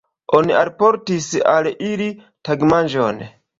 Oni alportis al ili tagmanĝon.